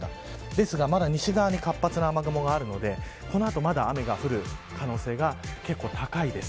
ですが、まだ西側に活発な雨雲があるのでこの後、まだ雨が降る可能性が結構高いです。